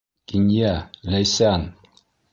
Кинйә, Ләйсән!